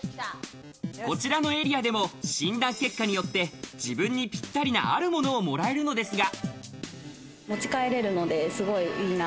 こちらのエリアでも診断結果によって自分にぴったりな、あるものをもらえるのですが。